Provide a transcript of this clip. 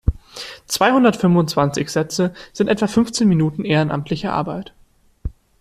Zweihundertfünfundzwanzig Sätze sind etwa fünfzehn Minuten ehrenamtliche Arbeit.